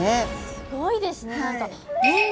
すごいですね。